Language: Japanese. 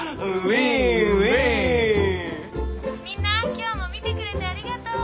みんな今日も見てくれてありがとう。